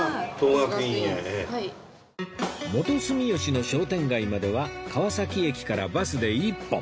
元住吉の商店街までは川崎駅からバスで１本